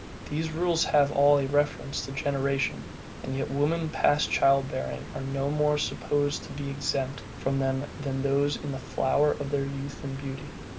These rules have all a reference to generation; and yet women past child bearing are no more supposed to be exempted from them than those in the flower of their youth and beauty.